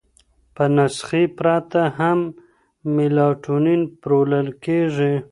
په نسخې پرته هم میلاټونین پلورل کېږي.